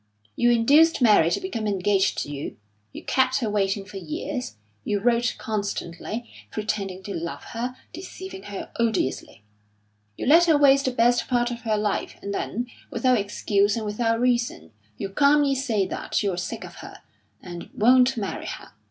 You induced Mary to become engaged to you; you kept her waiting for years; you wrote constantly, pretending to love her, deceiving her odiously; you let her waste the best part of her life, and then, without excuse and without reason, you calmly say that you're sick of her, and won't marry her.